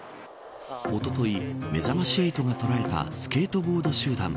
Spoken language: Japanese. おととい、めざまし８が捉えたスケートボード集団。